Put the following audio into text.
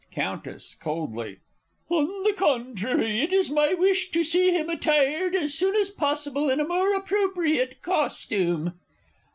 Countess (coldly). On the contrary, it is my wish to see him attired as soon as possible, in a more appropriate costume.